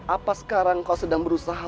apa sekarang kau sedang berusaha